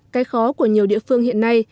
cái khó của nhiều địa phương hiện nay